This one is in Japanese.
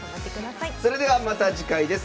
それではまた次回です。